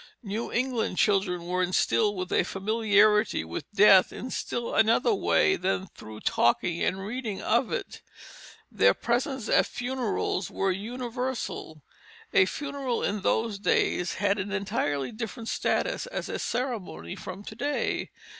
New England children were instilled with a familiarity with death in still another way than through talking and reading of it. Their presence at funerals was universal. A funeral in those days had an entirely different status as a ceremony from to day.